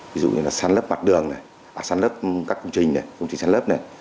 ví dụ như là sản lấp mặt đường này sản lấp các công trình này công trình sản lấp này